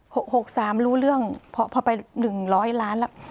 หกสามรู้เรื่องพอพอไปหนึ่งร้อยล้านแล้ว